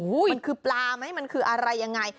มันคือปลาไหมมันคืออะไรยังไง